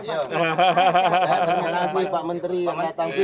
terima kasih pak menteri yang datang ke sini